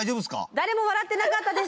誰も笑ってなかったです。